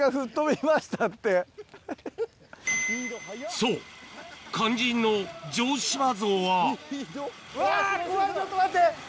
そう肝心の城島像はうわ怖いちょっと待って。